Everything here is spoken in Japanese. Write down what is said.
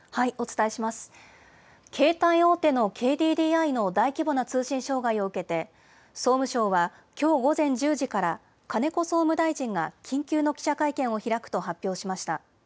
携帯大手のＫＤＤＩの大規模な通信障害を受けて、総務省はきょう午前１０時から、金子総務大臣が緊急の記者会見を開くと発表しました。